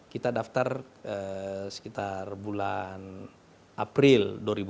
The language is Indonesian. kita daftar sekitar bulan april dua ribu dua puluh